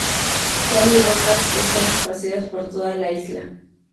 Sal y rocas están esparcidas por toda la isla.